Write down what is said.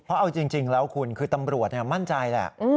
เพราะเอาจริงแล้วคุณคือตำรวจมั่นใจแหละ